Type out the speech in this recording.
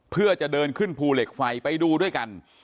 เพื่อจะเดินขึ้นภูเหล็กไฟไปดูด้วยกัน